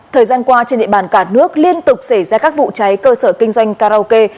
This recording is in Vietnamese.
thời gian qua trên địa bàn cả nước liên tục xảy ra các vụ cháy cơ sở kinh doanh karaoke